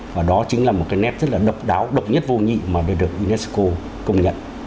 và đó chính là một cái nét rất là độc đáo độc nhất vô nhị mà để được unesco công nhận